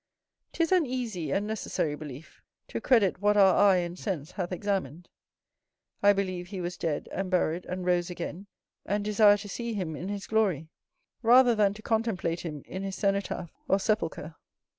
'Tis an easy and necessary belief, to credit what our eye and sense hath examined. I believe he was dead, and buried, and rose again; and desire to see him in his glory, rather than to contemplate him in his cenotaph or sepulchre.